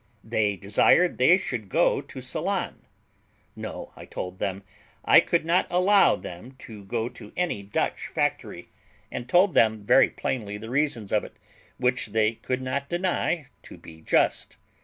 They desired they should go to Ceylon. No, I told them I could not allow them to go to any Dutch factory, and told them very plainly the reasons of it, which they could not deny to be just.